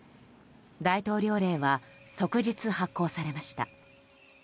大統領令は即日発効されました。